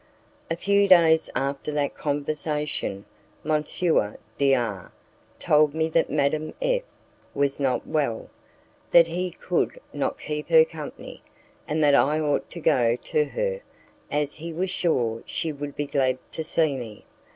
A few days after that conversation, M. D R told me that Madame F was not well, that he could not keep her company, and that I ought to go to her, as he was sure she would be glad to see me.